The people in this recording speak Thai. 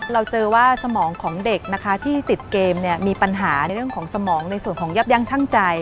เราเจอว่าสมองของเด็กนะคะที่ติดเกมมีปัญหาในเรื่องของสมองในส่วนของยับยั่งชั่งใจ